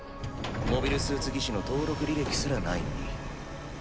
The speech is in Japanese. モビルスーツ技師の登録履歴すらないのに。